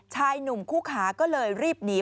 ชายหนุ่มคู่ขาก็เลยรีบหนี